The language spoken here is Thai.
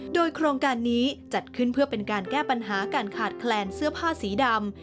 โดยโครงการนี้จัดขึ้นเพื่อเป็นการแก้ปัญหาการขาดแคลนเสื้อผ้าสีดำ